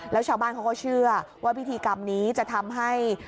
แล้วชาวบ้านเขาก็เชื่อว่าพิธีกรรมนี้จะทำให้